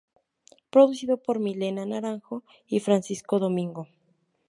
Producido por Milena Naranjo y Francisco Domingo.